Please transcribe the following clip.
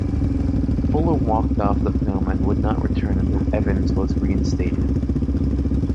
Fuller walked off the film and would not return until Evans was reinstated.